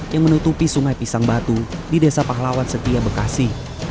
yang menutupi sungai pisang batu di desa pahlawan setia bekasi